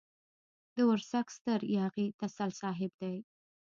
د ورسک ستر ياغي تسل صاحب دی.